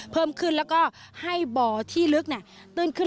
เพิ่มขึ้นแล้วก็ให้บ่อที่ลึกตื้นขึ้น